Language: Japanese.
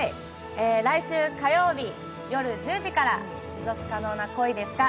来週火曜日夜１０時から「持続可能な恋ですか？」